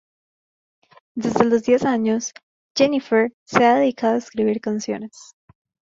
Desde los diez años Jennifer se ha dedicado a escribir canciones.